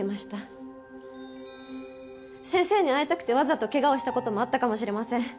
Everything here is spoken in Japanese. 先生に会いたくてわざと怪我をした事もあったかもしれません。